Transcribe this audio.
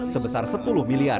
sebesar sepuluh miliar